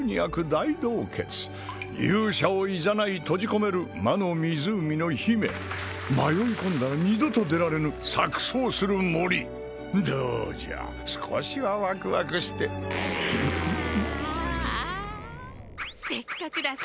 大洞穴勇者を誘い閉じ込める魔の湖の姫迷い込んだら二度と出られぬ錯綜する森どうじゃ少しはワクワクしてはあせっかくだし